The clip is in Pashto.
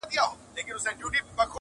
څوك به تاو كړي د بابا بګړۍ له سره!!